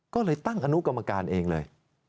ก็เลยตั้งอนุกรรมการเองเลย